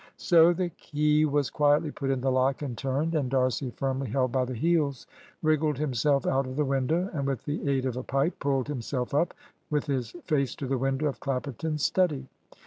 So the key was quietly put in the lock and turned; and D'Arcy, firmly held by the heels, wriggled himself out of the window, and, with the aid of a pipe, pulled himself up, with his face to the window of Clapperton's study.